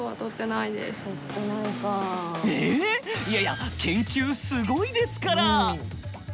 いやいや研究すごいですから！